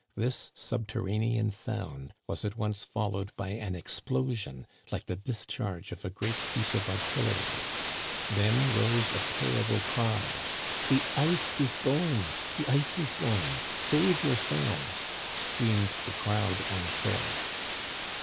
This subterranean sound was at once followed by an explosion like the discharge of a great piece of artillery. Then rose a terrible cry. " The ice is going ! the ice is going ! save yourselves !" screamed the crowd on shore.